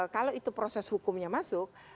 kalau itu proses hukumnya masuk